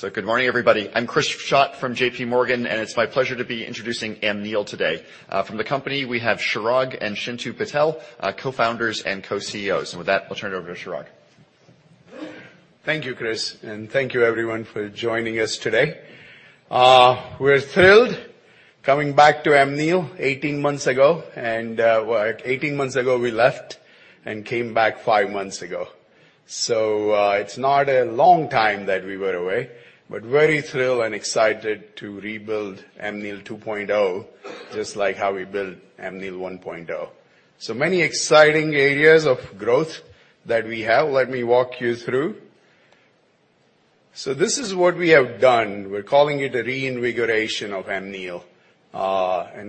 Good morning, everybody. I'm Chris Schott from J.P. Morgan, and it's my pleasure to be introducing Amneal today. From the company, we have Chirag and Chintu Patel, co-founders and Co-CEOs. With that, I'll turn it over to Chirag. Thank you, Chris. Thank you everyone for joining us today. We're thrilled coming back to Amneal 18 months ago. 18 months ago we left and came back five months ago. It's not a long time that we were away, but very thrilled and excited to rebuild Amneal 2.0, just like how we built Amneal 1.0. Many exciting areas of growth that we have. Let me walk you through. This is what we have done. We're calling it a reinvigoration of Amneal.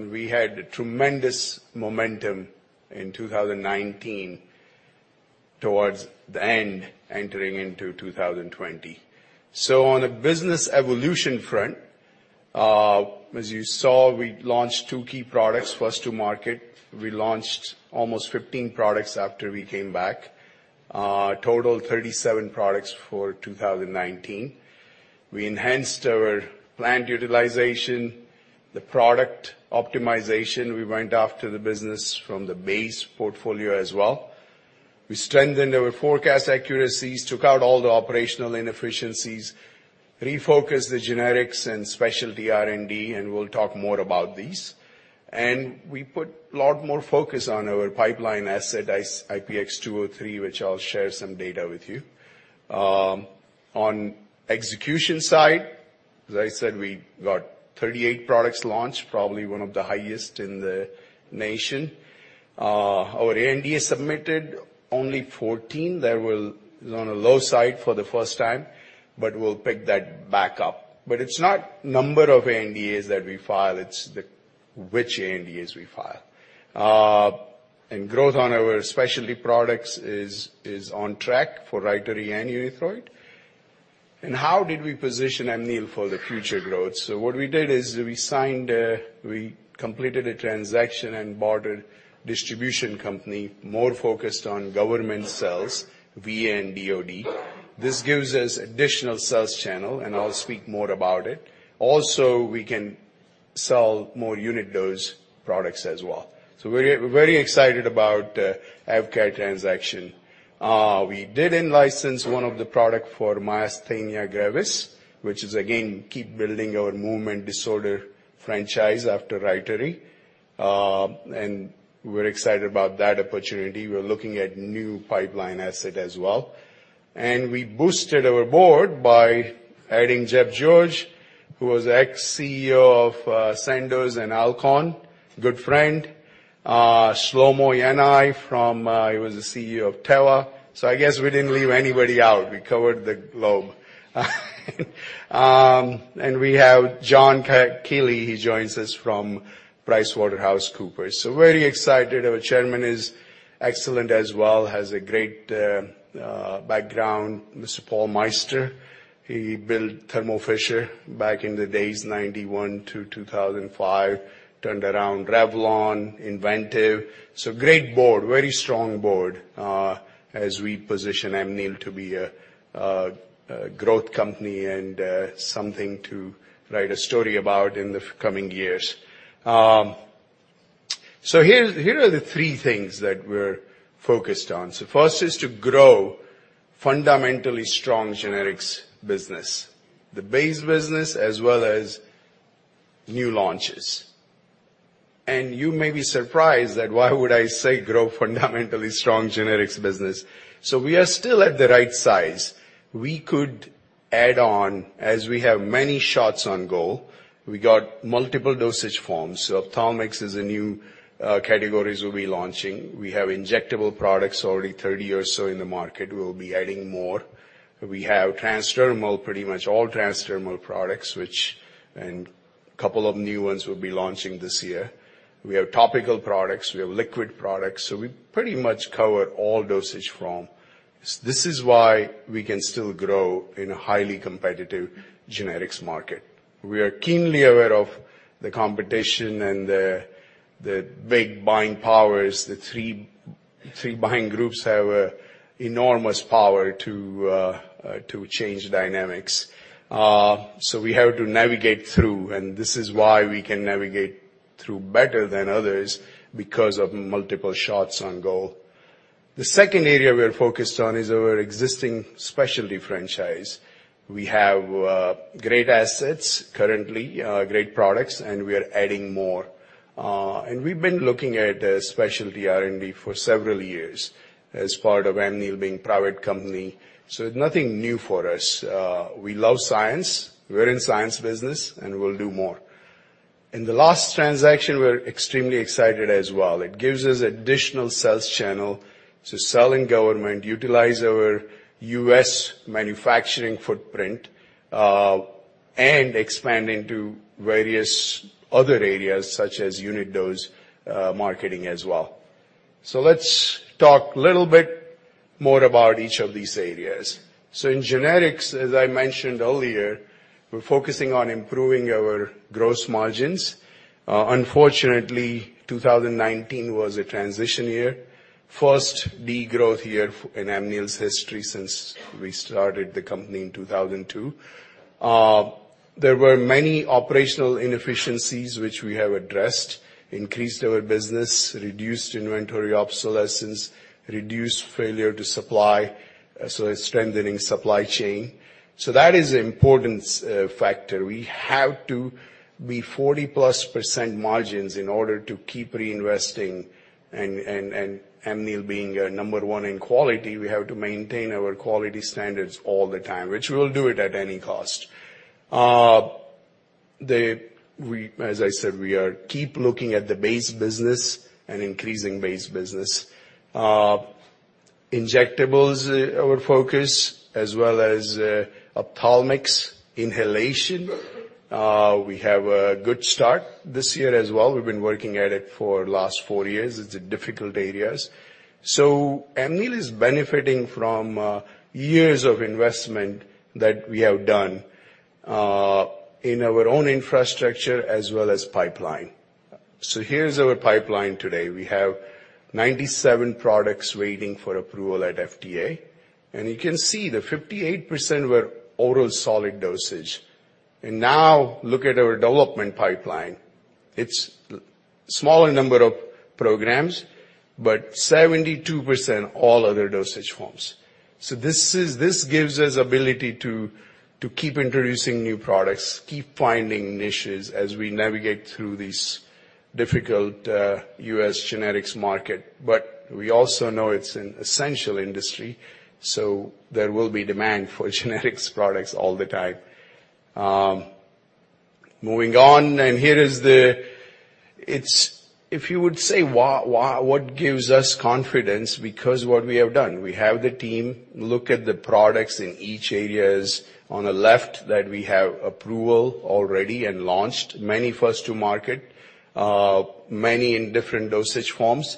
We had tremendous momentum in 2019 towards the end, entering into 2020. On a business evolution front, as you saw, we launched two key products first to market. We launched almost 15 products after we came back. Total 37 products for 2019. We enhanced our plant utilization, the product optimization. We went after the business from the base portfolio as well. We strengthened our forecast accuracies, took out all the operational inefficiencies, refocused the generics and specialty R&D, and we'll talk more about these. We put lot more focus on our pipeline asset, IPX-203, which I'll share some data with you. On execution side, as I said, we got 38 products launched, probably one of the highest in the nation. Our ANDAs submitted only 14. That was on a low side for the first time, but we'll pick that back up. It's not number of ANDAs that we file, it's which ANDAs we file. Growth on our specialty products is on track for RYTARY and UNITHROID. How did we position Amneal for the future growth? What we did is we completed a transaction and bought a distribution company more focused on government sales, VA and DOD. This gives us additional sales channel, and I'll speak more about it. We can sell more unit dose products as well. We're very excited about the AvKARE transaction. We did in-license one of the product for myasthenia gravis, which is again, keep building our movement disorder franchise after RYTARY. We're excited about that opportunity. We're looking at new pipeline asset as well. We boosted our board by adding Jeff George, who was ex-CEO of Sandoz and Alcon, good friend. Shlomo Yanai, he was the CEO of Teva. I guess we didn't leave anybody out. We covered the globe. We have John Kiely, he joins us from PricewaterhouseCoopers. Very excited. Our chairman is excellent as well, has a great background, Mr. Paul Meister. He built Thermo Fisher back in the days 1991 to 2005, turned around Revlon, inVentiv Health. Great board, very strong board, as we position Amneal to be a growth company and something to write a story about in the coming years. Here are the three things that we're focused on. First is to grow fundamentally strong generics business, the base business as well as new launches. You may be surprised that why would I say grow fundamentally strong generics business. We are still at the right size. We could add on, as we have many shots on goal. We got multiple dosage forms. Ophthalmics is a new category we'll be launching. We have injectable products already 30 or so in the market. We'll be adding more. We have transdermal, pretty much all transdermal products, couple of new ones we'll be launching this year. We have topical products. We have liquid products. We pretty much cover all dosage form. This is why we can still grow in a highly competitive generics market. We are keenly aware of the competition and the big buying powers. The three buying groups have enormous power to change dynamics. We have to navigate through, and this is why we can navigate through better than others because of multiple shots on goal. The second area we are focused on is our existing specialty franchise. We have great assets currently, great products, and we are adding more. We've been looking at specialty R&D for several years as part of Amneal being private company. Nothing new for us. We love science. We're in science business, and we'll do more. In the last transaction, we're extremely excited as well. It gives us additional sales channel to sell in government, utilize our U.S. manufacturing footprint, and expand into various other areas such as unit dose marketing as well. Let's talk little bit more about each of these areas. In generics, as I mentioned earlier, we're focusing on improving our gross margins. Unfortunately, 2019 was a transition year. First de-growth year in Amneal's history since we started the company in 2002. There were many operational inefficiencies, which we have addressed. Increased our business, reduced inventory obsolescence, reduced failure to supply, so it's strengthening supply chain. That is an important factor. We have to be 40-plus% margins in order to keep reinvesting, and Amneal being number one in quality, we have to maintain our quality standards all the time, which we'll do it at any cost. As I said, we keep looking at the base business and increasing base business. Injectables are our focus, as well as ophthalmics, inhalation. We have a good start this year as well. We've been working at it for the last four years. It's difficult areas. Amneal is benefiting from years of investment that we have done in our own infrastructure as well as pipeline. Here's our pipeline today. We have 97 products waiting for approval at FDA, and you can see that 58% were oral solid dosage. Now look at our development pipeline. It's a smaller number of programs, but 72% all other dosage forms. This gives us ability to keep introducing new products, keep finding niches as we navigate through this difficult U.S. generics market. We also know it's an essential industry, so there will be demand for generics products all the time. Moving on, if you would say what gives us confidence? Because what we have done, we have the team look at the products in each areas on the left that we have approval already and launched many first to market, many in different dosage forms.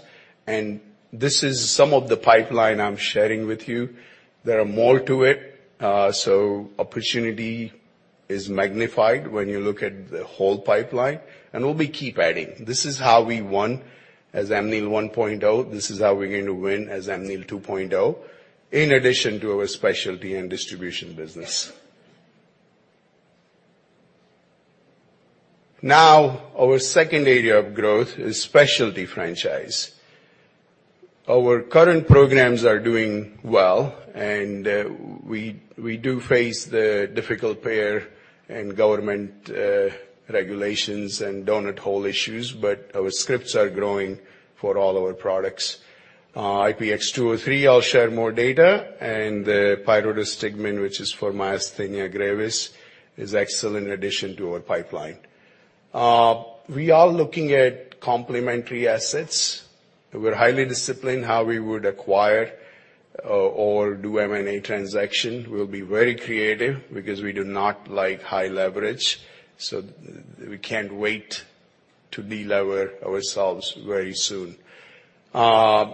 This is some of the pipeline I'm sharing with you. There are more to it. Opportunity is magnified when you look at the whole pipeline. We'll be keep adding. This is how we won as Amneal 1.0. This is how we're going to win as Amneal 2.0, in addition to our specialty and distribution business. Our second area of growth is specialty franchise. Our current programs are doing well. We do face the difficult payer and government regulations and donut hole issues. Our scripts are growing for all our products. IPX-203, I'll share more data, the pyridostigmine, which is for myasthenia gravis, is excellent addition to our pipeline. We are looking at complementary assets. We're highly disciplined how we would acquire or do M&A transaction. We'll be very creative because we do not like high leverage, we can't wait to de-lever ourselves very soon. We are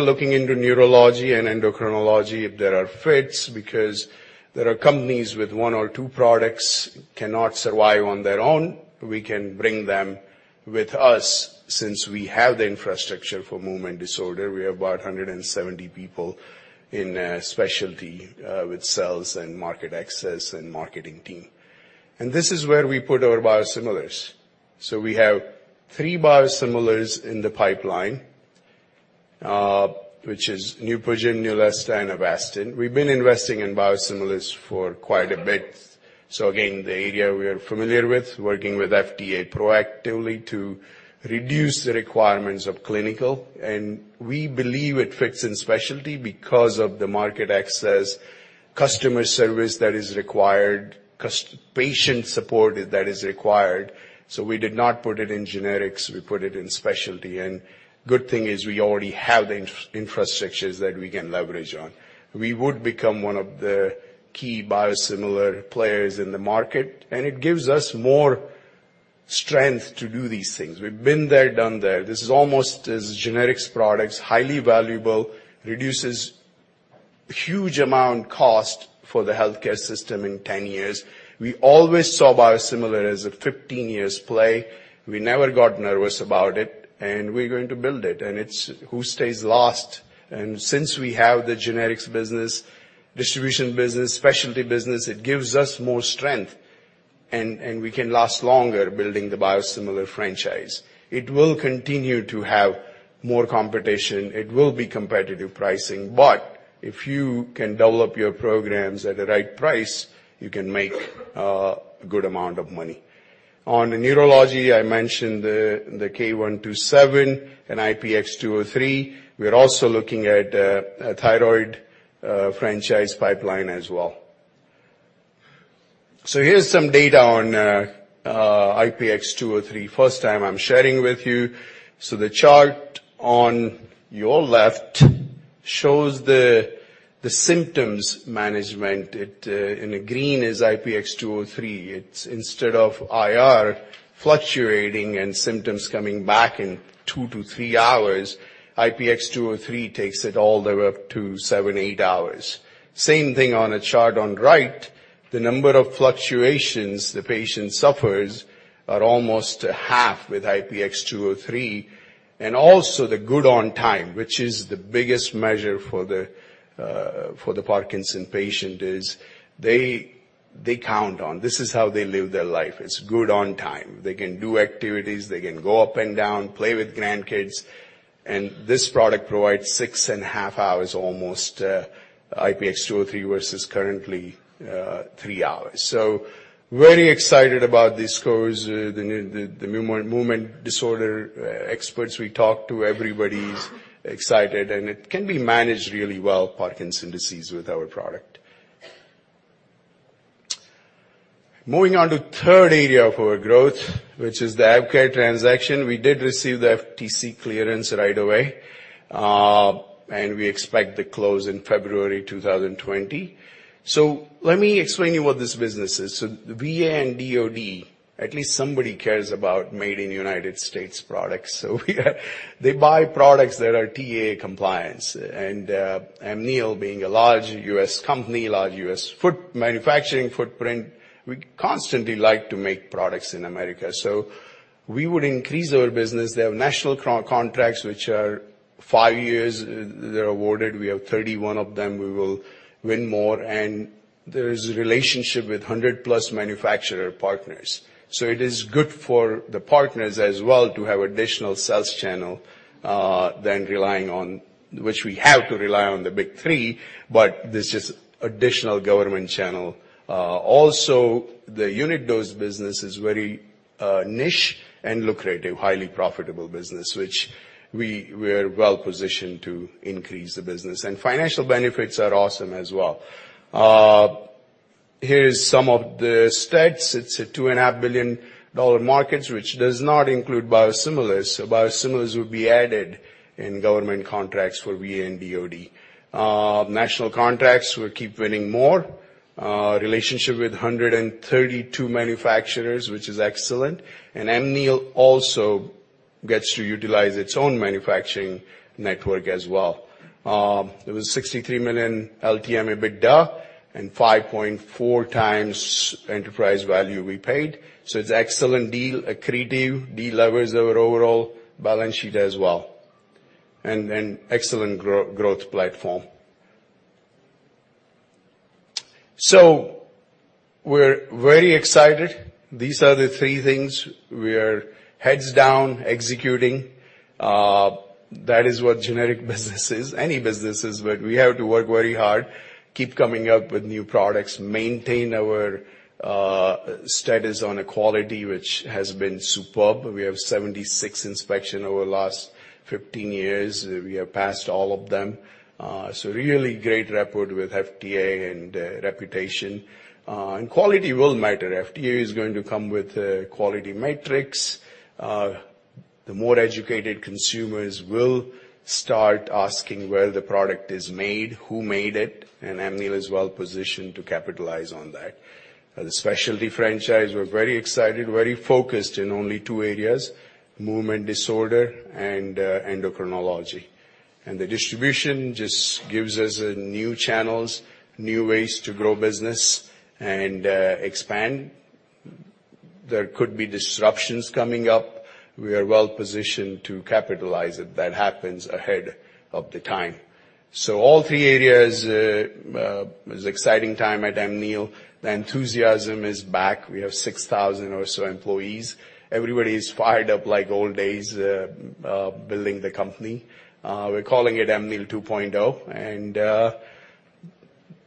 looking into neurology and endocrinology if there are fits, because there are companies with one or two products, cannot survive on their own. We can bring them with us since we have the infrastructure for movement disorder. We have about 170 people in specialty with sales and market access and marketing team. This is where we put our biosimilars. We have three biosimilars in the pipeline, which is Neupogen, Neulasta, and Avastin. We've been investing in biosimilars for quite a bit. Again, the area we are familiar with, working with FDA proactively to reduce the requirements of clinical, and we believe it fits in specialty because of the market access, customer service that is required, patient support that is required. We did not put it in generics, we put it in specialty. Good thing is we already have the infrastructures that we can leverage on. We would become one of the key biosimilar players in the market. It gives us more strength to do these things. We've been there, done that. This is almost as generics products, highly valuable, reduces huge amount cost for the healthcare system in 10 years. We always saw biosimilar as a 15 years play. We never got nervous about it. We are going to build it, and it is who stays last. Since we have the generics business, distribution business, specialty business, it gives us more strength and we can last longer building the biosimilar franchise. It will continue to have more competition. It will be competitive pricing. If you can develop your programs at the right price, you can make a good amount of money. On neurology, I mentioned the K127 and IPX-203. We're also looking at a thyroid franchise pipeline as well. Here's some data on IPX-203. First time I'm sharing with you. The chart on your left shows the symptoms management. In the green is IPX-203. It's instead of IR fluctuating and symptoms coming back in two to three hours, IPX-203 takes it all the way up to seven, eight hours. Same thing on the chart on right, the number of fluctuations the patient suffers are almost half with IPX-203. Also, the good on time, which is the biggest measure for the Parkinson's patient, is they count on. This is how they live their life. It's good on time. They can do activities, they can go up and down, play with grandkids. This product provides six and a half hours almost, IPX-203 versus currently three hours. Very excited about these scores. The movement disorder experts we talked to, everybody's excited, and it can be managed really well, Parkinson's disease, with our product. Moving on to third area of our growth, which is the AvKARE transaction. We did receive the FTC clearance right away, and we expect to close in February 2020. Let me explain to you what this business is. VA and DOD, at least somebody cares about made in United States products. They buy products that are TAA compliant, and Amneal being a large U.S. company, large U.S. manufacturing footprint, we constantly like to make products in America. We would increase our business. They have national contracts, which are five years, they're awarded. We have 31 of them. We will win more. There is a relationship with 100 plus manufacturer partners. It is good for the partners as well to have additional sales channel, than relying on, which we have to rely on the big three, but this is additional government channel. The unit dose business is very niche and lucrative, highly profitable business, which we are well-positioned to increase the business. Financial benefits are awesome as well. Here's some of the stats. It's a $2.5 billion market, which does not include biosimilars. Biosimilars would be added in government contracts for VA and DOD. National contracts, we'll keep winning more. Relationship with 132 manufacturers, which is excellent. Amneal also gets to utilize its own manufacturing network as well. It was $63 million LTM EBITDA and 5.4 times enterprise value we paid. It's excellent deal, accretive, de-levers our overall balance sheet as well. Excellent growth platform. We're very excited. These are the three things we're heads down executing. That is what generic business is, any business is, but we have to work very hard, keep coming up with new products, maintain our status on quality, which has been superb. We have 76 inspection over the last 15 years. We have passed all of them. Really great rapport with FDA and reputation. Quality will matter. FDA is going to come with a quality metrics. The more educated consumers will start asking where the product is made, who made it, Amneal is well positioned to capitalize on that. The specialty franchise, we're very excited, very focused in only two areas, movement disorder and endocrinology. The distribution just gives us new channels, new ways to grow business and expand. There could be disruptions coming up. We are well positioned to capitalize it. That happens ahead of the time. All three areas, it's exciting time at Amneal. The enthusiasm is back. We have 6,000 or so employees. Everybody's fired up like old days, building the company. We're calling it Amneal 2.0, and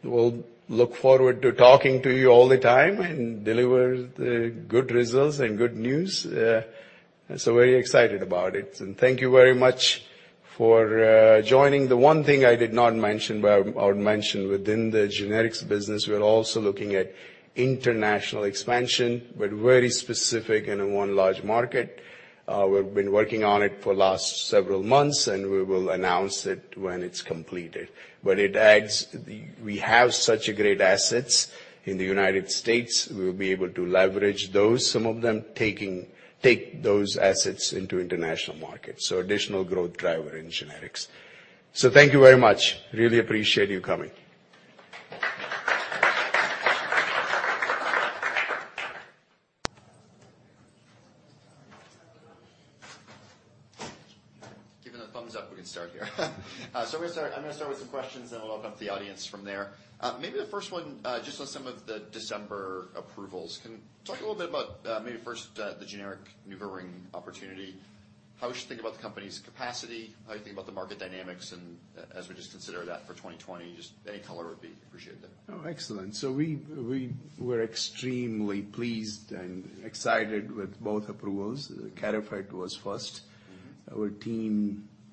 we'll look forward to talking to you all the time and deliver the good results and good news. Very excited about it. Thank you very much for joining. The one thing I did not mention, but I would mention within the generics business, we're also looking at international expansion, but very specific in one large market. We've been working on it for last several months, and we will announce it when it's completed. We have such great assets in the U.S., we'll be able to leverage those, some of them, take those assets into international markets. Additional growth driver in generics. Thank you very much. Really appreciate you coming. Given the thumbs up, we can start here. I'm going to start with some questions, then we'll open up to the audience from there. Maybe the first one, just on some of the December approvals. Talk a little bit about maybe first the generic NuvaRing opportunity, how we should think about the company's capacity, how you think about the market dynamics and as we just consider that for 2020, just any color would be appreciated there. Excellent. We were extremely pleased and excited with both approvals. Carafate was first. Our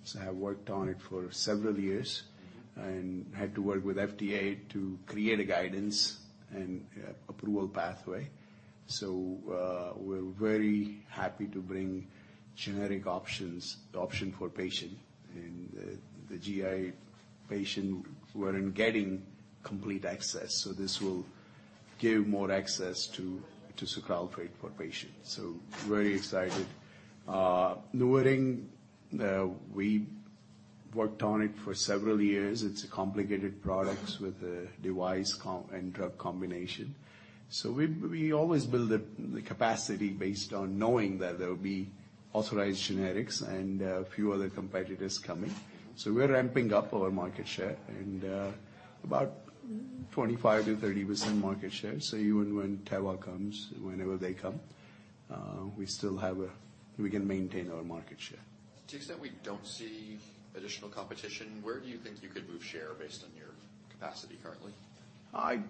teams have worked on it for several years and had to work with FDA to create a guidance and approval pathway. We're very happy to bring generic options, the option for patient and the GI patient weren't getting complete access. This will give more access to sucralfate for patients. Very excited. NuvaRing, we worked on it for several years. It's a complicated product with a device and drug combination. We always build the capacity based on knowing that there will be authorized generics and a few other competitors coming. We're ramping up our market share and about 25%-30% market share. Even when Teva comes, whenever they come, we can maintain our market share. To the extent we don't see additional competition, where do you think you could move share based on your capacity currently? I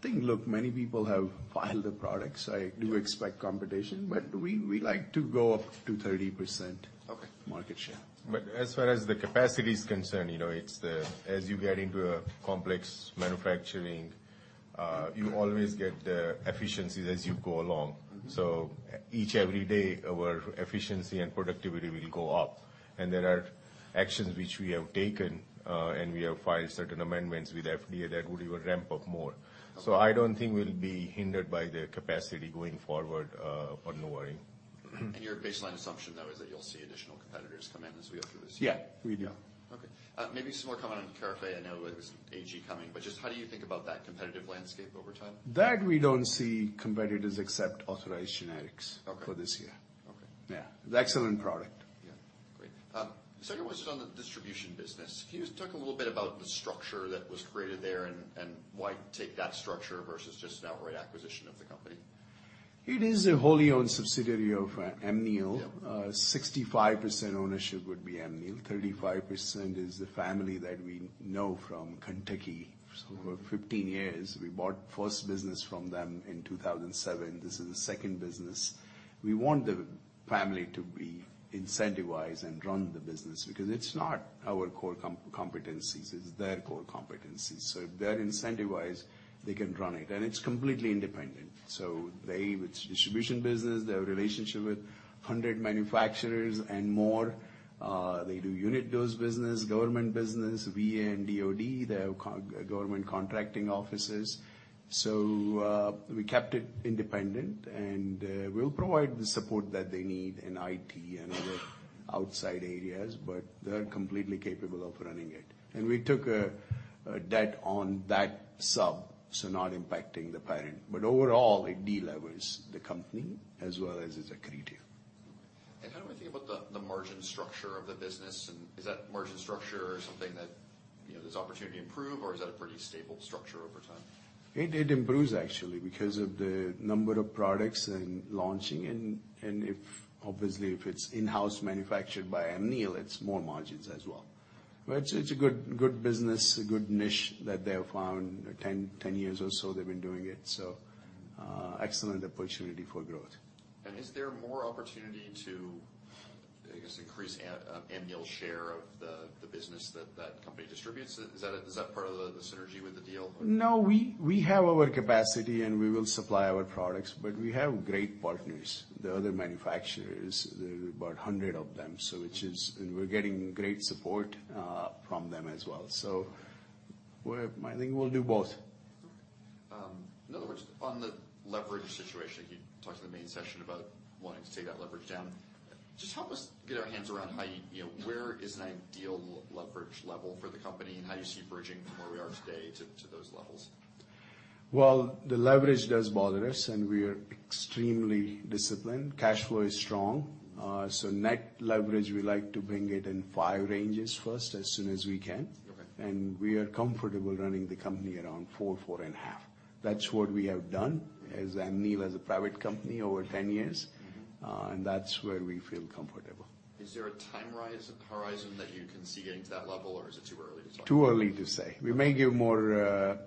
think, look, many people have filed the products. I do expect competition, but we like to go up to 30%. Okay market share. As far as the capacity is concerned, as you get into a complex manufacturing, you always get efficiencies as you go along. Each and every day, our efficiency and productivity will go up. There are actions which we have taken, and we have filed certain amendments with FDA that will ramp up more. Okay. I don't think we'll be hindered by the capacity going forward on NuvaRing. Your baseline assumption, though, is that you'll see additional competitors come in as we go through this year? Yeah, we do. Yeah. Okay. Maybe some more comment on Carafate. I know there's AG coming, just how do you think about that competitive landscape over time? That we don't see competitors except authorized generics. Okay for this year. Okay. Yeah. Excellent product. Great. Second question on the distribution business, can you just talk a little bit about the structure that was created there and why take that structure versus just an outright acquisition of the company? It is a wholly owned subsidiary of Amneal. Yeah. 65% ownership would be Amneal, 35% is the family that we know from Kentucky. Over 15 years, we bought first business from them in 2007. This is the second business. We want the family to be incentivized and run the business because it's not our core competencies, it's their core competencies. If they're incentivized, they can run it. It's completely independent. It's a distribution business, they have relationship with 100 manufacturers and more. They do unit dose business, government business, VA and DOD, they have government contracting offices. We kept it independent and we'll provide the support that they need in IT and other outside areas, but they're completely capable of running it. We took a debt on that sub, so not impacting the parent. Overall, it de-levers the company as well as it's accretive. How do we think about the margin structure of the business? Is that margin structure something that there's opportunity to improve or is that a pretty stable structure over time? It improves actually because of the number of products and launching and obviously, if it's in-house manufactured by Amneal, it's more margins as well. It's a good business, a good niche that they have found. 10 years or so they've been doing it. Excellent opportunity for growth. Is there more opportunity to, I guess, increase Amneal's share of the business that that company distributes? Is that part of the synergy with the deal or? No. We have our capacity and we will supply our products, but we have great partners. The other manufacturers, there are about 100 of them. We're getting great support from them as well. I think we'll do both. Okay. In other words, on the leverage situation, you talked in the main session about wanting to take that leverage down. Just help us get our hands around where is an ideal leverage level for the company and how you see bridging from where we are today to those levels? Well, the leverage does bother us and we are extremely disciplined. Cash flow is strong. Net leverage, we like to bring it in five ranges first as soon as we can. Okay. We are comfortable running the company around four and a half. That's what we have done as Amneal as a private company over 10 years. That's where we feel comfortable. Is there a time horizon that you can see getting to that level or is it too early to talk about? Too early to say. We may give more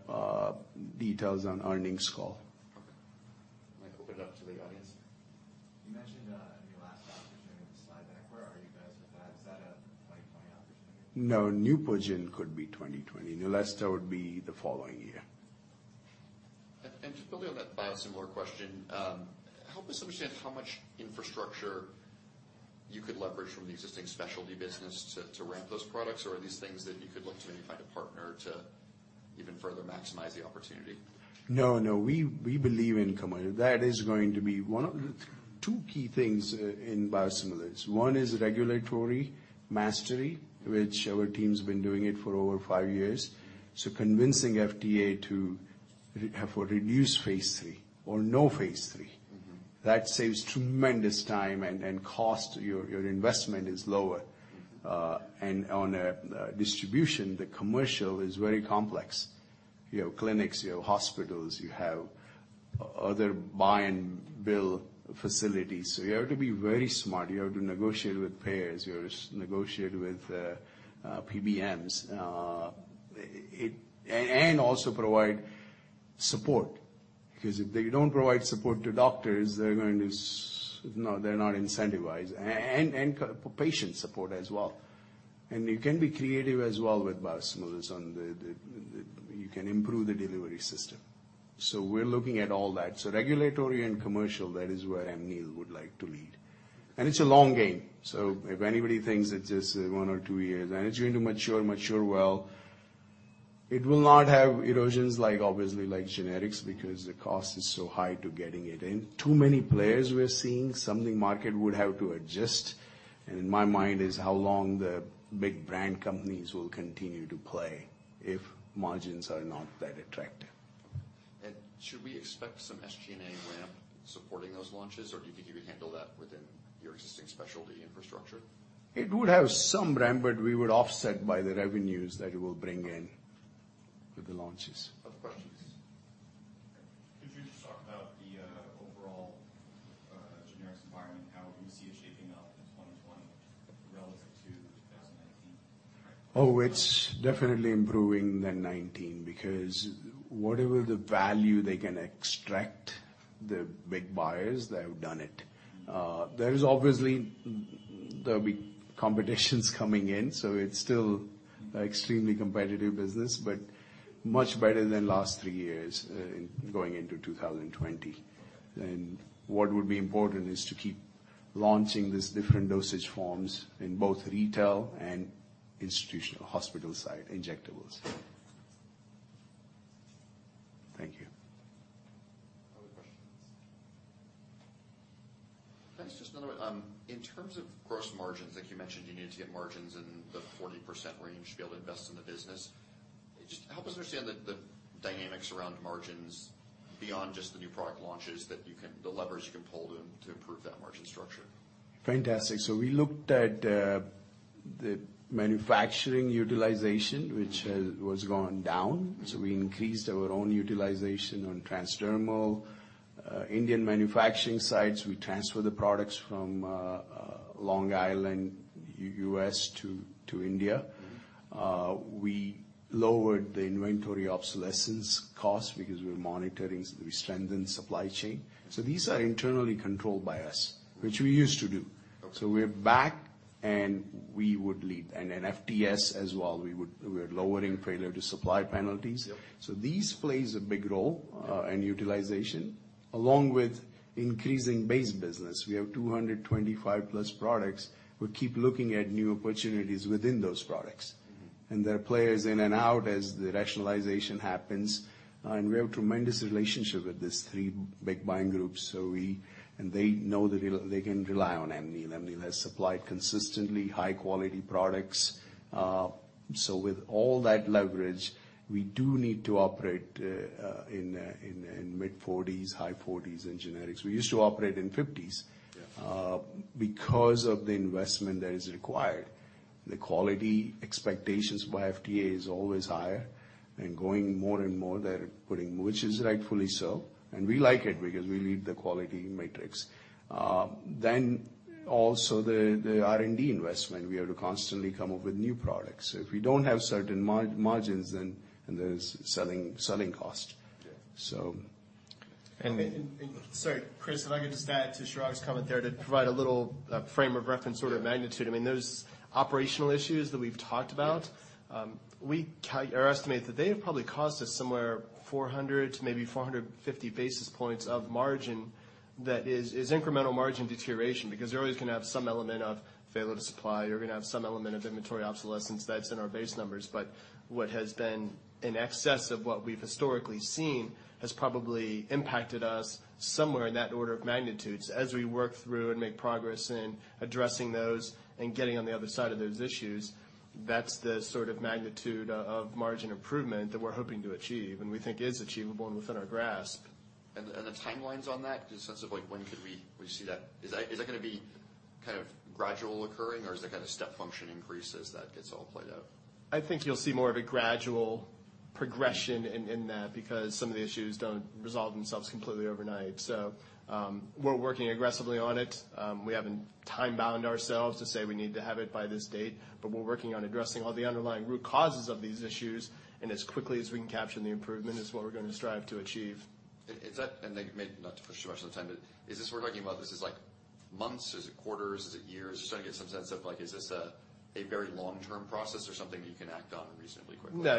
details on earnings call. Okay. I might open it up to the audience. You mentioned, in your last opportunity slide deck, where are you guys with that? Is that a 2020 opportunity? Neupogen could be 2020. Neulasta would be the following year. Just building on that biosimilar question, help us understand how much infrastructure you could leverage from the existing specialty business to ramp those products? Or are these things that you could look to maybe find a partner to even further maximize the opportunity? We believe in commercial. That is going to be one of the two key things in biosimilars. One is regulatory mastery, which our team's been doing it for over five years. Convincing FDA to have a reduced phase III or no phase III. That saves tremendous time and cost. Your investment is lower. On distribution, the commercial is very complex. You have clinics, you have hospitals, you have other buy and bill facilities. You have to be very smart. You have to negotiate with payers, you have to negotiate with PBMs, and also provide support. Because if you don't provide support to doctors, they're not incentivized, and patient support as well. You can be creative as well with biosimilars and you can improve the delivery system. We're looking at all that. Regulatory and commercial, that is where Amneal would like to lead. It's a long game. If anybody thinks it's just one or two years, and it's going to mature well. It will not have erosions, obviously, like generics, because the cost is so high to getting it in. Too many players we're seeing, something market would have to adjust. In my mind is how long the big brand companies will continue to play if margins are not that attractive. Should we expect some SG&A ramp supporting those launches? Or do you think you can handle that within your existing specialty infrastructure? It would have some ramp, but we would offset by the revenues that it will bring in with the launches. Other questions. Could you just talk about the overall generics environment, how you see it shaping up in 2020 relative to 2019? It's definitely improving than 2019 because whatever the value they can extract, the big buyers, they have done it. There'll be competitions coming in, so it's still extremely competitive business, but much better than last three years in going into 2020. What would be important is to keep launching these different dosage forms in both retail and institutional hospital site, injectables. Thank you. Other questions. In terms of gross margins, like you mentioned, you need to get margins in the 40% range to be able to invest in the business. Just help us understand the dynamics around margins beyond just the new product launches, the levers you can pull to improve that margin structure. Fantastic. We looked at the manufacturing utilization, which has gone down. We increased our own utilization on transdermal Indian manufacturing sites. We transferred the products from Long Island, U.S. to India. We lowered the inventory obsolescence cost because we're monitoring, we strengthen supply chain. These are internally controlled by us, which we used to do. Okay. We're back, and we would lead. FTS as well, we're lowering failure-to-supply penalties. Yep. These plays a big role. Yeah in utilization, along with increasing base business. We have 225-plus products. We keep looking at new opportunities within those products. There are players in and out as the rationalization happens. We have tremendous relationship with these three big buying groups. They know that they can rely on Amneal, and Amneal has supplied consistently high-quality products. With all that leverage, we do need to operate in mid-40s, high-40s in generics. We used to operate in 50s. Yeah because of the investment that is required. The quality expectations by FDA is always higher and going more and more. They're putting, which is rightfully so, and we like it because we lead the quality metrics. Also the R&D investment, we have to constantly come up with new products. If we don't have certain margins, then there's selling cost. Yeah. So, and- Sorry, Chris, if I could just add to Chirag's comment there to provide a little frame of reference or magnitude. Those operational issues that we've talked about- Yeah Our estimate is that they have probably cost us somewhere 400 to maybe 450 basis points of margin. That is incremental margin deterioration because you're always going to have some element of failure to supply, or you're going to have some element of inventory obsolescence that's in our base numbers. What has been in excess of what we've historically seen has probably impacted us somewhere in that order of magnitudes. As we work through and make progress in addressing those and getting on the other side of those issues, that's the sort of magnitude of margin improvement that we're hoping to achieve and we think is achievable and within our grasp. The timelines on that, just sense of when could we see that? Is that going to be gradual occurring, or is there step function increase as that gets all played out? I think you'll see more of a gradual progression in that because some of the issues don't resolve themselves completely overnight. We're working aggressively on it. We haven't time-bound ourselves to say we need to have it by this date, but we're working on addressing all the underlying root causes of these issues, and as quickly as we can capture the improvement is what we're going to strive to achieve. Maybe not to push Chirag for the time, is this we're talking about, is this months? Is it quarters? Is it years? Just trying to get some sense of is this a very long-term process or something you can act on reasonably quickly? No,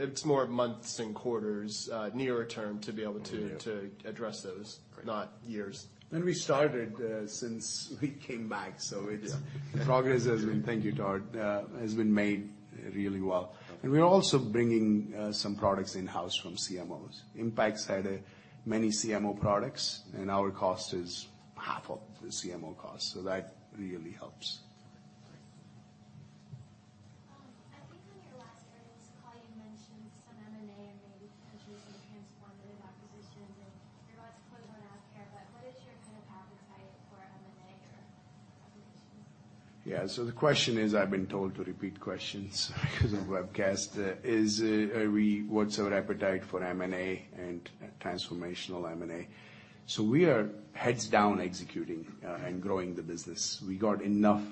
it's more months and quarters, nearer term to be able to address those. Great. Not years. We started since we came back. Yeah. Progress Thank you, Todd has been made really well. Okay. We're also bringing some products in-house from CMOs. Impax had many CMO products, and our cost is half of the CMO cost, so that really helps. Okay, great. I think on your last earnings call you mentioned some M&A and maybe pursuing some transformative acquisitions, and you're about to close one out here, but what is your kind of appetite for M&A or acquisitions? The question is, I've been told to repeat questions because of webcast, what's our appetite for M&A and transformational M&A? We are heads down executing and growing the business. We got enough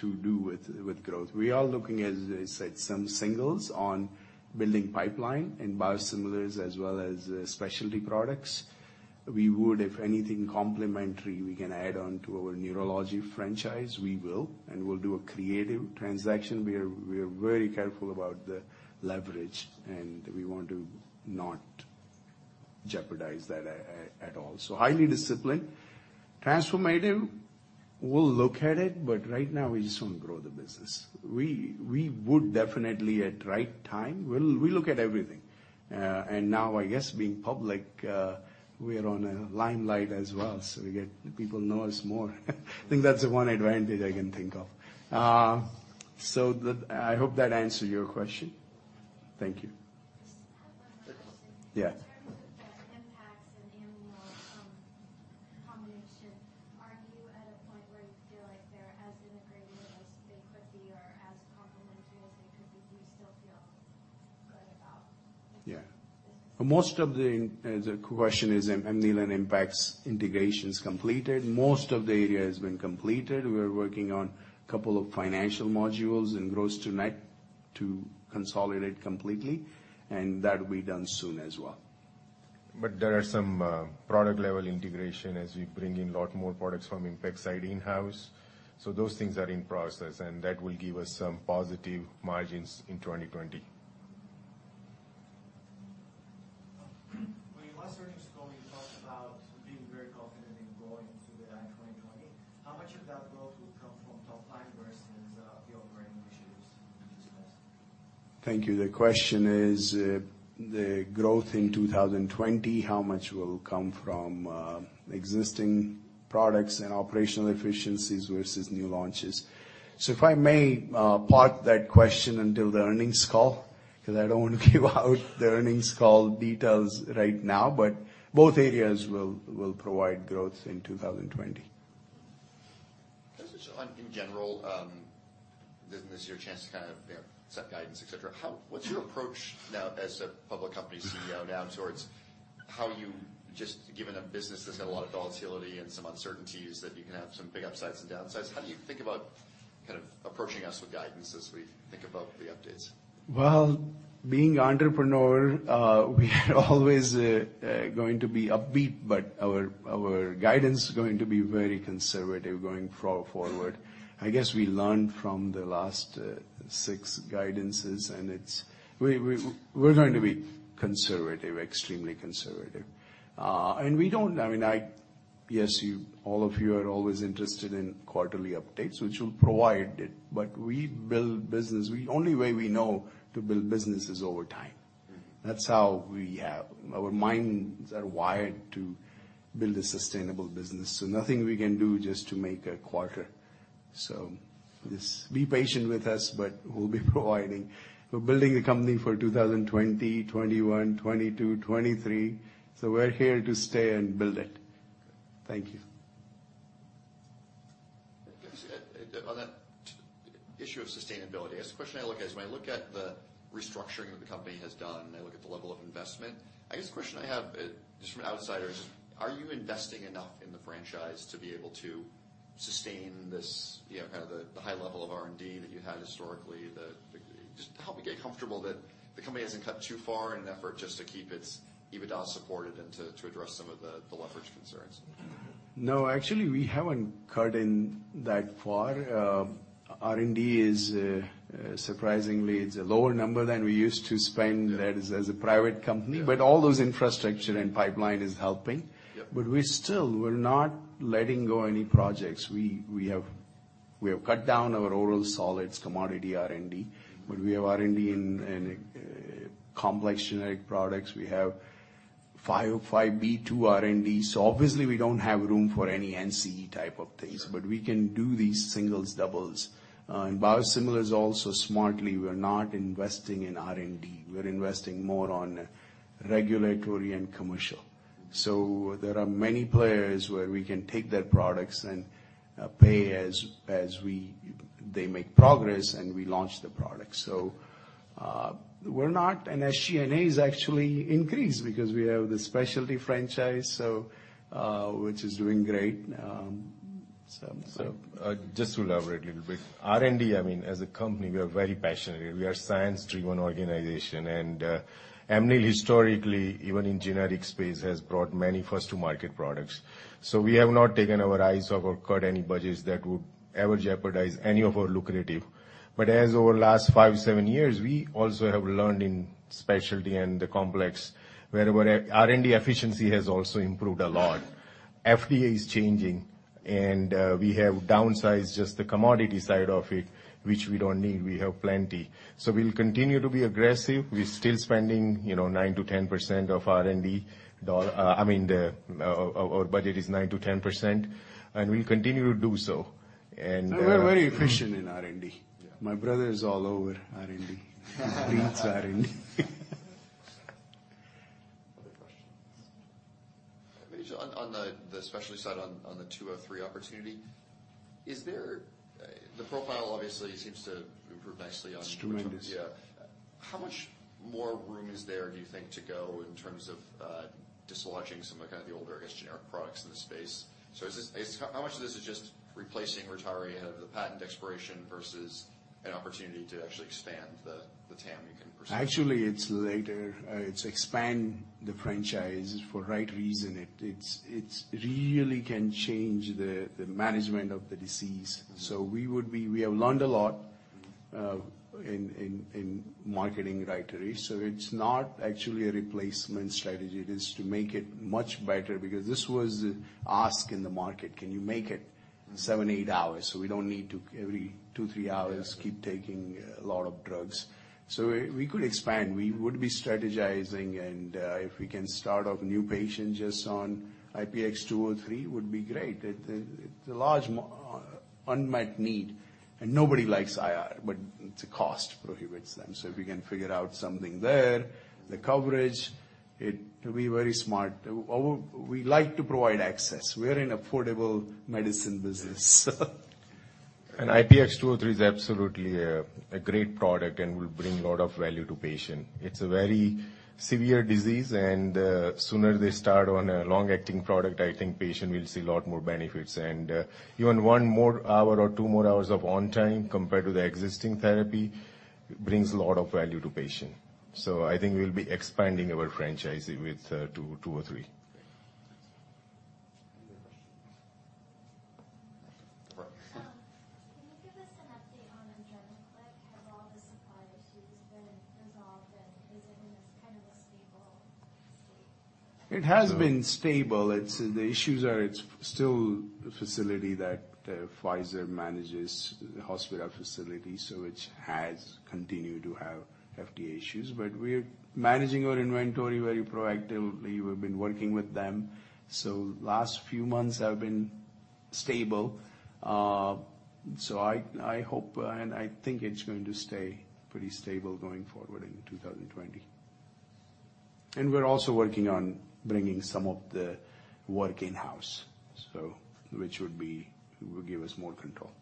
to do with growth. We are looking, as I said, some singles on building pipeline in biosimilars as well as specialty products. We would, if anything complementary we can add on to our neurology franchise, we will, and we'll do a creative transaction. We are very careful about the leverage, and we want to not jeopardize that at all. Highly disciplined. Transformative, we'll look at it, but right now we just want to grow the business. We would definitely at right time. Well, we look at everything. Now, I guess being public, we are on a limelight as well, so we get people know us more. I think that's the one advantage I can think of. I hope that answered your question. Thank you. Just have one question. Yeah. In terms of the Impax and Amneal combination, are you at a point where you feel like they're as integrated as they could be or as complementary as they could be? Do you still feel good about it? Yeah. Most of the question is Amneal and Impax integration is completed. Most of the area has been completed. We're working on couple of financial modules and gross to net to consolidate completely, and that'll be done soon as well. There are some product level integration as we bring in lot more products from Impax site in-house. Those things are in process, and that will give us some positive margins in 2020. When you last earned, you talked about being very confident in growing through the end of 2020. How much of that growth will come from top line versus the operating efficiencies you just discussed? Thank you. The question is, the growth in 2020, how much will come from existing products and operational efficiencies versus new launches? If I may, park that question until the earnings call, because I don't want to give out the earnings call details right now, but both areas will provide growth in 2020. Just on in general, this is your chance to kind of set guidance, et cetera. What's your approach now as a public company CEO now towards how you just given a business that's had a lot of volatility and some uncertainties that you can have some big upsides and downsides? How do you think about kind of approaching us with guidance as we think about the updates? Well, being entrepreneur, we are always going to be upbeat, but our guidance is going to be very conservative going forward. I guess we learned from the last six guidances, and we're going to be conservative, extremely conservative. Yes, all of you are always interested in quarterly updates, which we'll provide, but the only way we know to build business is over time. Our minds are wired to build a sustainable business, so nothing we can do just to make a quarter. Just be patient with us, but we'll be providing. We're building the company for 2020, 2021, 2022, 2023. We're here to stay and build it. Okay. Thank you. On that issue of sustainability, I guess the question I look at is when I look at the restructuring that the company has done, and I look at the level of investment, I guess the question I have just from an outsider is, are you investing enough in the franchise to be able to sustain this kind of the high level of R&D that you had historically? Just help me get comfortable that the company hasn't cut too far in an effort just to keep its EBITDA supported and to address some of the leverage concerns. No, actually, we haven't cut in that far. R&D surprisingly, it's a lower number than we used to spend that as a private company. Yeah. All those infrastructure and pipeline is helping. Yep. We still, we're not letting go any projects. We have cut down our oral solids commodity R&D, but we have R&D in complex generic products. We have 505(b)(2) R&D. Obviously we don't have room for any NCE type of things. Yeah. We can do these singles, doubles. In biosimilars also, smartly, we're not investing in R&D. We're investing more on regulatory and commercial. There are many players where we can take their products and pay as they make progress, and we launch the product. As you know, it's actually increased because we have the specialty franchise, which is doing great. Just to elaborate a little bit. R&D, as a company, we are very passionate. We are science-driven organization. Amneal historically, even in generic space, has brought many first to market products. We have not taken our eyes off or cut any budgets that would ever jeopardize any of our lucrative. As over last five, seven years, we also have learned in specialty and the complex, wherever R&D efficiency has also improved a lot. FDA is changing. We have downsized just the commodity side of it, which we don't need. We have plenty. We'll continue to be aggressive. We're still spending 9%-10% of R&D. Our budget is 9%-10%, and we'll continue to do so. We're very efficient in R&D. Yeah. My brother is all over R&D. He leads R&D. Other questions. Maybe just on the specialty side on the IPX203 opportunity, the profile obviously seems to improve nicely on. It's tremendous. Yeah. How much more room is there, do you think, to go in terms of dislodging some of kind of the older, I guess, generic products in the space? How much of this is just replacing, retiring of the patent expiration versus an opportunity to actually expand the TAM you can pursue? Actually, it's later. It's expand the franchise for right reason. It really can change the management of the disease. We have learned a lot in marketing, right, to reach. It's not actually a replacement strategy. It is to make it much better because this was the ask in the market. Can you make it seven, eight hours, so we don't need to every two, three hours keep taking a lot of drugs? We could expand. We would be strategizing, and if we can start off new patients just on IPX-203 would be great. It's a large unmet need, and nobody likes IR, but the cost prohibits them. If we can figure out something there, the coverage, it will be very smart. We like to provide access. We're in affordable medicine business. IPX-203 is absolutely a great product and will bring a lot of value to patient. It's a very severe disease and sooner they start on a long-acting product, I think patient will see a lot more benefits. Even one more hour or two more hours of on time compared to the existing therapy brings a lot of value to patient. I think we'll be expanding our franchise with 203. Any other questions? Front. Can you give us an update on Adrenaclick? Have all the supply issues been resolved, and is it in a stable state? It has been stable. The issues are it's still a facility that Pfizer manages, hospital facility, which has continued to have FDA issues. We're managing our inventory very proactively. We've been working with them. Last few months have been stable. I hope and I think it's going to stay pretty stable going forward in 2020. We're also working on bringing some of the work in-house, which would give us more control.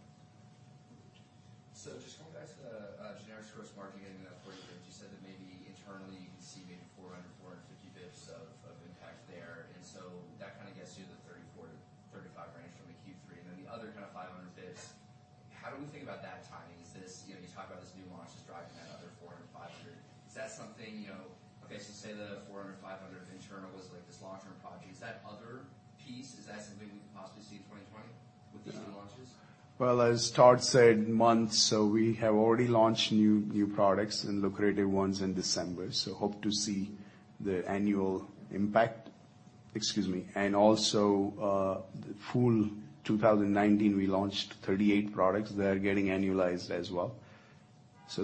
Just going back to the generics gross margin heading up for you, but you said that maybe internally you can see maybe 400, 450 basis points of impact there. That kind of gets you to the 34%-35% range from the Q3. Then the other kind of 500 basis points, how do we think about that timing? You talk about this new launch that's driving that other 400, 500. Say the 400, 500 internal was like this long-term project. Is that other piece, is that something we could possibly see in 2020 with these new launches? As Todd said, we have already launched new products and lucrative ones in December. Hope to see the annual impact. Excuse me. Also full 2019, we launched 38 products. They are getting annualized as well.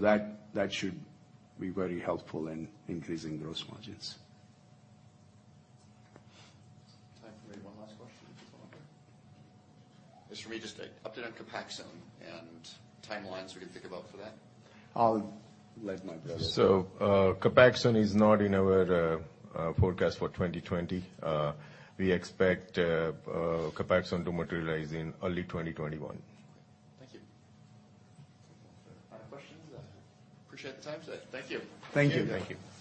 That should be very helpful in increasing gross margins. Time for maybe one last question if there's one out there. Just for me, just an update on Copaxone and timelines we can think about for that. I'll let my brother. Copaxone is not in our forecast for 2020. We expect Copaxone to materialize in early 2021. Okay. Thank you. Other questions? I appreciate the time today. Thank you. Thank you.